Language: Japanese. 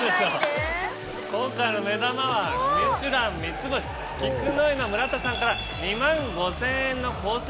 今回の目玉は『ミシュラン』三ツ星菊乃井の村田さんから２万５０００円のコース